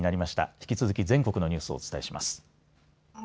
引き続き全国のニュースをお伝えします。